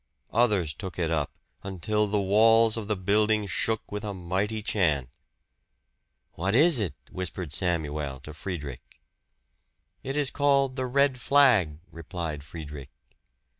Others took it up, until the walls of the building shook with a mighty chant. "What is it?" whispered Samuel to Friedrich. "It is called 'The Red Flag,'" replied Friedrich.